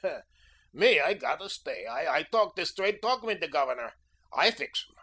Me, I gotta stay. I talk der straighd talk mit der Governor. I fix 'em.